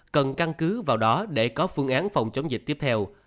cần căn cứ vào đó để có phương án phòng chống dịch tiếp theo